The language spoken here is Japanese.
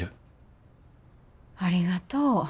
ありがとう。